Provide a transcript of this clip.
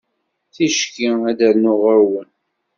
Ticki ad d-rnuɣ ɣer-wen.